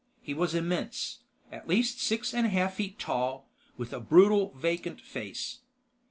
He was immense, at least six and a half feet tall, with a brutal, vacant face.